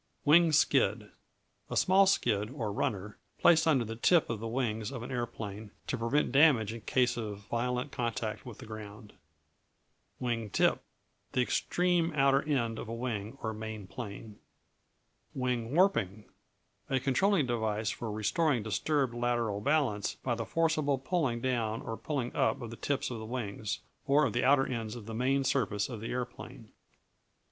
Wing Skid A small skid, or runner, placed under the tip of the wings of an aeroplane, to prevent damage in case of violent contact with the ground. Wing Tip The extreme outer end of a wing or main plane. Wing Warping A controlling device for restoring disturbed lateral balance by the forcible pulling down or pulling up of the tips of the wings, or of the outer ends of the main surface of the aeroplane.